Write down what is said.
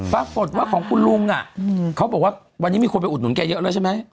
ปรากฏว่าของคุณลุงน่ะเขาบอกว่าวันนี้มีคนไปอุดหนุนแกเยอะแล้วใช่ไหม